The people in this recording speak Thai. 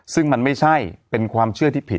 ซึ่งมันไม่ใช่เป็นความเชื่อที่ผิด